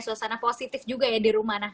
suasana positif juga ya di rumah